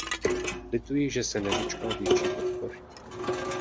Lituji, že se nedočkal větší podpory.